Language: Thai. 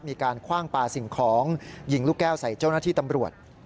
คว่างปลาสิ่งของยิงลูกแก้วใส่เจ้าหน้าที่ตำรวจ